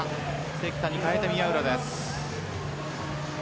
関田にかえて宮浦です。